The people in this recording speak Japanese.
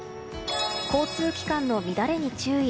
交通機関の乱れに注意。